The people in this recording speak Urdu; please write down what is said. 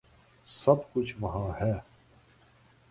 سب کچھ وہاں ہے۔